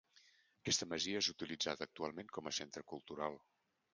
Aquesta masia és utilitzada actualment com a centre cultural.